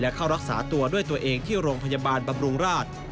เข้ารักษาตัวด้วยตัวเองที่โรงพยาบาลบำรุงราช